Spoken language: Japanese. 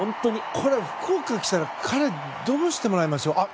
これ、福岡に来たら彼にどうしてもらいましょう。